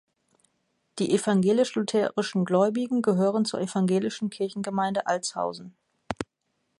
Die evangelisch-lutherischen Gläubigen gehören zur evangelischen Kirchengemeinde Altshausen.